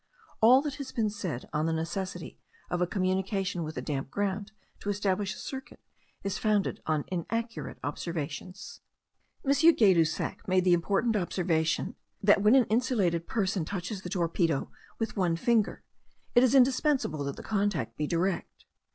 All that has been said on the necessity of a communication with the damp ground to establish a circuit, is founded on inaccurate observations. M. Gay Lussac made the important observation that when an insulated person touches the torpedo with one finger, it is indispensible that the contact be direct.